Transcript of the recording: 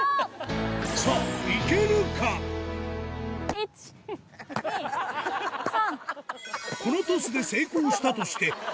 １・２・３。